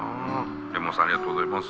レモンさんありがとうございます。